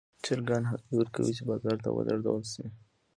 چرګان هګۍ ورکوي چې بازار ته ولېږدول شي.